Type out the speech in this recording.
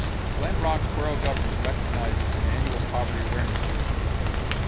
Glen Rock's borough government recognizes an annual Poverty Awareness Week.